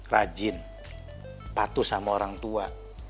rajin patuh sama orang tua